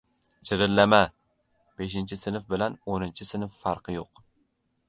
— Jirillama! Beshinchi sinf bilan o‘ninchi sinf farqi yo‘q!